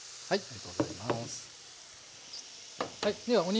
はい。